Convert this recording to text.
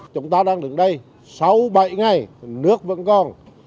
chúng ta đang đứng đây sau bảy ngày nước vẫn còn